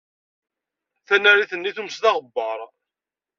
Tanarit-nni tumes d aɣebbar.